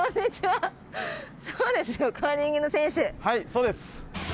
はいそうです！